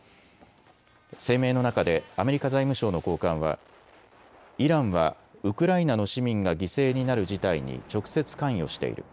声明の中でアメリカ財務省の高官は、イランはウクライナの市民が犠牲になる事態に直接関与している。